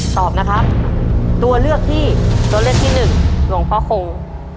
ตอบนะครับตัวเลือกที่ตัวเลือกที่หนึ่งหลวงพ่อคง